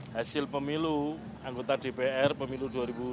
hasil pemilu anggota dpr pemilu dua ribu sembilan belas